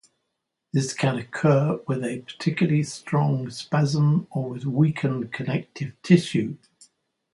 This can occur with a particularly strong spasm or with weakened connective tissue.